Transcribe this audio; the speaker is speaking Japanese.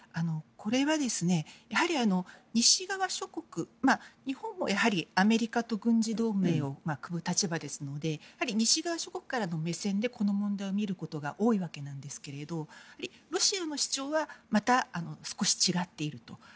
これは、西側諸国日本もアメリカと軍事同盟を組む立場ですので西側諸国からの目線でこの問題を見ることが多いわけですけどロシアの主張は少し違っていると。